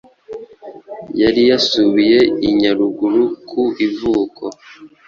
Yari yarasubiye i Nyaruguru ku ivuko.